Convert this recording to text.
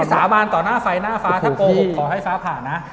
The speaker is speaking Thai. สาบานต่อหน้าไฟหน้าฟ้าถ้าโกหกขอให้ฟ้าผ่านนะ